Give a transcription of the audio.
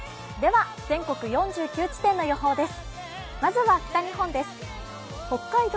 全国４９地点の予報です。